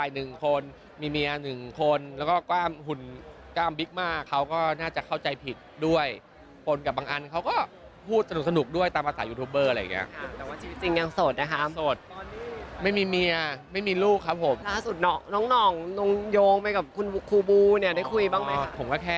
เหมือนมีข่าวอะไรอย่างงี้ขึ้นมา